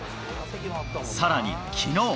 さらにきのう。